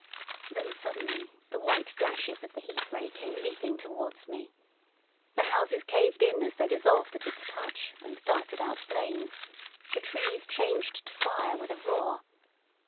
Then suddenly the white flashes of the Heat Ray came leaping towards me. The houses caved in as they dissolved at its touch, and darted out flames; the trees changed to fire with a roar.